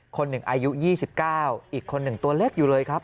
คนหนึ่งอายุ๒๙อีกคนหนึ่งตัวเล็กอยู่เลยครับ